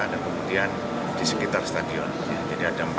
dan kemudian di sekitar stadion jadi ada empat ring